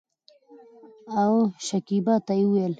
او شکيبا ته يې وويل